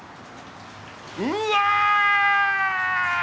うわ！